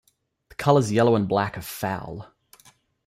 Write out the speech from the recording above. The colours yellow and black are foul.